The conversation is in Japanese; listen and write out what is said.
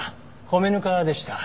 米ぬかでした。